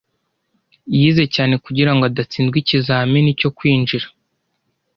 Yize cyane kugirango adatsindwa ikizamini cyo kwinjira.